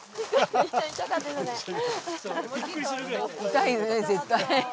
痛いですね絶対。